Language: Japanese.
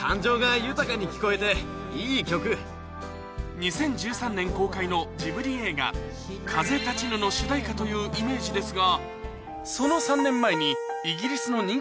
２０１３年公開のジブリ映画『風立ちぬ』の主題歌というイメージですが